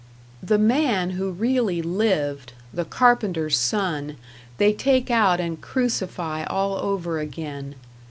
The man who really lived, the carpenter's son, they take out and crucify all over again.